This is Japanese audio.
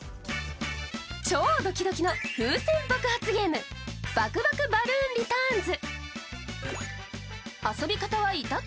超ドキドキの風船爆発ゲーム「爆爆バルーンリターンズ」。